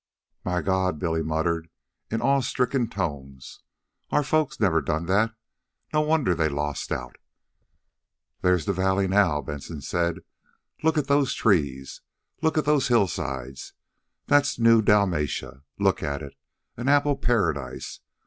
"My God!" Billy muttered in awe stricken tones. "Our folks never done that. No wonder they lost out." "There's the valley now," Benson said. "Look at those trees! Look at those hillsides! That's New Dalmatia. Look at it! An apple paradise!